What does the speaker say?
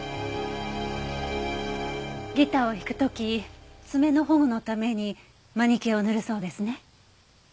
ギターを弾く時爪の保護のためにマニキュアを塗るそうですね。